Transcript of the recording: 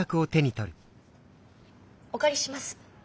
お借りします。